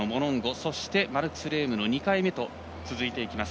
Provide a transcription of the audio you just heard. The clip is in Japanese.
そして、マルクス・レームの２回目と続いていきます。